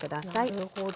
なるほど。